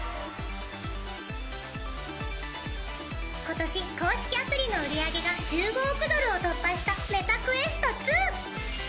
今年公式アプリの売り上げが１５億ドルを突破した。